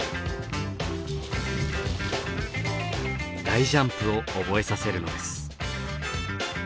大ジャンプを覚えさせるのです。